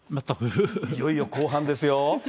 いよいよ後半ですよ。